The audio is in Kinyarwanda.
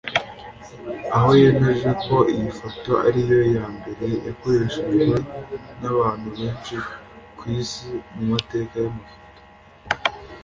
aho yemeje ko iyi foto ariyo ya mbere yakoreshejwe n’abantu benshi ku isi mu mateka y’amafoto